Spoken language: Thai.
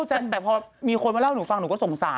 ชะนีชะนีนักเอกสามคนก็คือแบบ